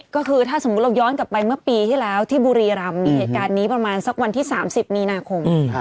ก็คือถ้าสมมุติเราย้อนกลับไปเมื่อปีที่แล้วที่บุรีรำมีเหตุการณ์นี้ประมาณสักวันที่๓๐มีนาคม